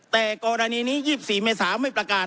แต่กรณีนี้๒๔เมษาไม่ประกาศ